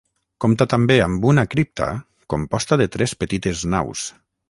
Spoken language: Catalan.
Compta també amb una cripta composta de tres petites naus.